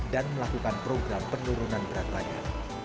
dan melakukan program penurunan berat badannya